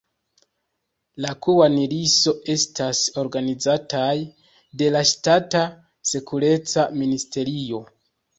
La Kŭan-li-so, estas organizitaj de la ŝtata sekureca ministerio.